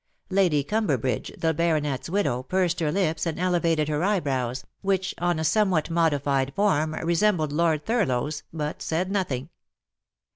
Lady Cumberbridge, the baronet's widow, pursed her lips and elevated her eyebrows, which, on a somewhat modified form, resembled Lord Thurlow's, but said nothing.